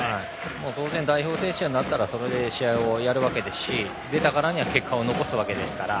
当然、代表選手になったらそれで試合をやるわけですし出たからには結果を残すわけですから。